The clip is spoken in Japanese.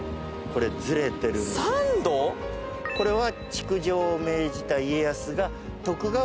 これは。